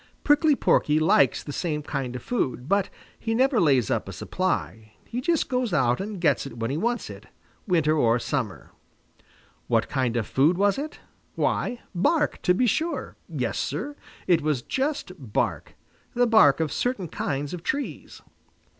Prickly Porky likes the same kind of food, but he never lays up a supply. He just goes out and gets it when he wants it, winter or summer. What kind of food was it? Why, bark, to be sure. Yes, Sir, it was just bark the bark of certain kinds of trees.